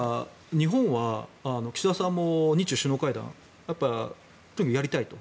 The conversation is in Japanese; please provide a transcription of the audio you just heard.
日本は岸田さんも日中首脳会談、やりたいと。